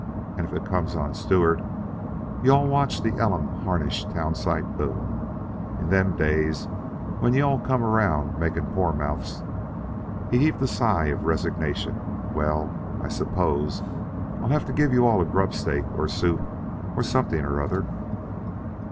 And if it comes on Stewart, you all watch the Elam Harnish town site boom. In them days, when you all come around makin' poor mouths..." He heaved a sigh of resignation. "Well, I suppose I'll have to give you all a grub stake or soup, or something or other."